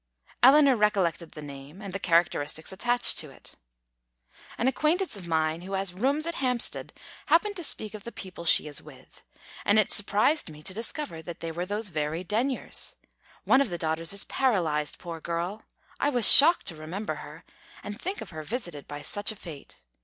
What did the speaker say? Eleanor recollected the name, and the characteristics attached to it. "An acquaintance of mine who has rooms at Hampstead happened to speak of the people she is with, and it surprised me to discover that they were those very Denyers. One of the daughters is paralyzed, poor girl; I was shocked to remember her, and think of her visited by such a fate.